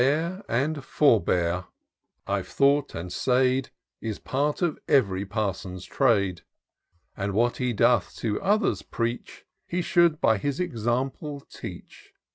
" Bear and forbear, I've thought and said, Is part of ev'ry parson's trade ; And what he doth to others preach, He should by his example teach.